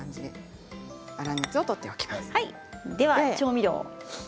では、調味料。